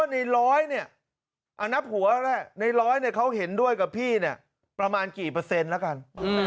ในร้อยเนี่ยเขาเห็นด้วยกับพี่เนี่ยประมาณกี่เปอร์เซ็นต์ละกัน